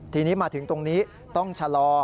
ทีนี้มาถึงตรงนี้ต้องชะลอ